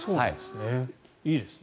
いいですね。